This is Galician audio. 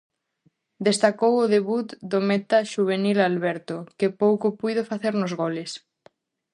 Destacou o debut do meta xuvenil Alberto, que pouco puido facer nos goles.